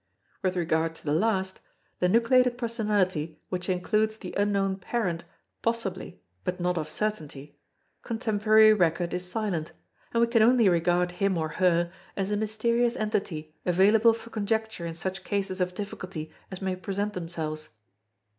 With regard to the last, the nucleated personality which includes the unknown parent possibly but not of certainty, contemporary record is silent; and we can only regard him or her as a mysterious entity available for conjecture in such cases of difficulty as may present themselves.